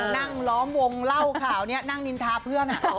ล้อมวงเล่าข่าวนี้นั่งนินทาเพื่อน